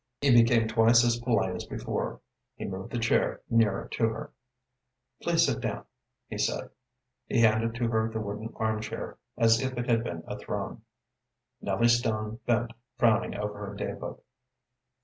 He became twice as polite as before. He moved the chair nearer to her. "Please sit down," he said. He handed to her the wooden arm chair as if it had been a throne. Nellie Stone bent frowning over her day book.